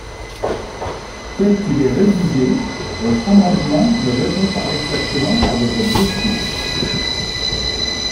Tel qu’il est rédigé, votre amendement ne répond pas exactement à votre objectif.